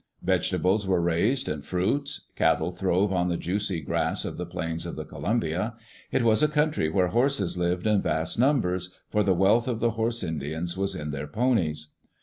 Vegetables were raised, and fruits. Cattle throve on the juicy grass of the Plains of the Columbia. It was a coun try where horses lived in vast numbers, for the wealth of the horse Indians was in their ponies.